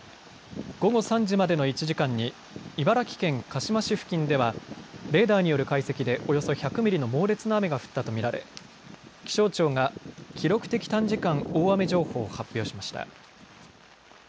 午後３時までの１時間に茨城県鹿嶋市付近ではレーダーによる解析でおよそ１００ミリの猛烈な雨が降ったと見られ気象庁が記録的短時間大雨情報を発表しました。